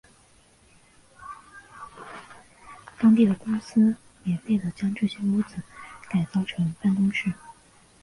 当地的公司免费地将这些屋子改造成办公室。